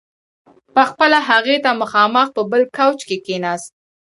په خپله هغې ته مخامخ په بل کاوچ کې کښېناست.